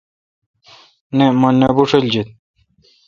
نہ مہ نہ بوݭلجیت۔